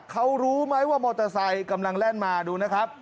เขารู้ไหมว่ามอเตอร์ไซค์กำลังแล่นมาดูนะครับ